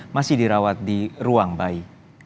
masih dirawat di ruang bayi